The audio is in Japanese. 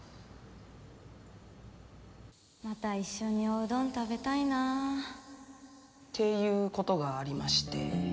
また一緒におうどん食べたっていうことがありまして。